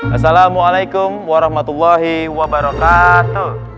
assalamualaikum warahmatullahi wabarakatuh